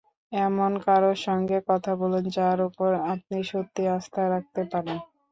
এমন কারোর সঙ্গে কথা বলুন, যার ওপর আপনি সত্যি আস্থা রাখতে পারেন।